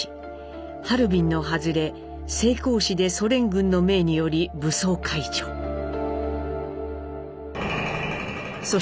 ハルビンの外れ成高子でソ連軍の命により武装解除」。